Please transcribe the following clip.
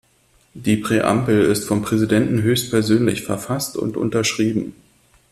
Die Präambel ist vom Präsidenten höchstpersönlich verfasst und unterschrieben.